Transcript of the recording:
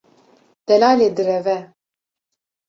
Delalê direve.